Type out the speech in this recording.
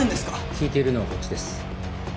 聞いているのはこっちです。